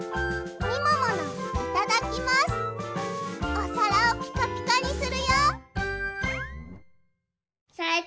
おさらをピカピカにするよ！